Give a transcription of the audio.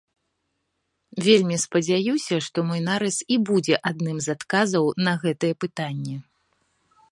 Вельмі спадзяюся, што мой нарыс і будзе адным з адказаў на гэтае пытанне.